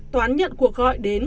toán nhận cuộc gọi đến